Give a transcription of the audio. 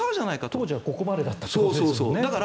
当時はここまでだったということですよね。